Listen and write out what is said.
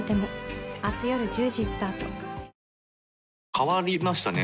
変わりましたね。